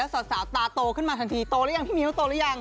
สาวสาวตาโตขึ้นมาสะทีตัวแล้วมั้ยพี่มิ๊วตัวแล้วยัง